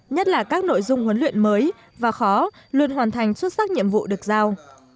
nhất là các nội dung huấn luyện mới và khó luôn hoàn thành xuất sắc nhiệm vụ được giao